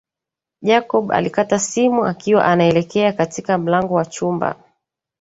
Jacob alikata simu akiwa anaelekea katika mlango wa chumba